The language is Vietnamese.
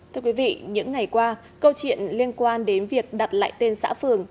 thưa quý vị những ngày qua câu chuyện liên quan đến việc đặt lại tên xã phường